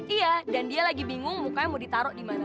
iya dan dia lagi bingung mukanya mau ditaruh dimana